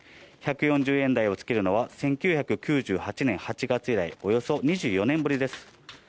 １４０円台をつけるのは１９９８年８月以来、およそ２４年ぶりです。